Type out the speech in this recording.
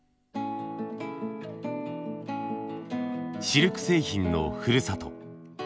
シルク製品のふるさと。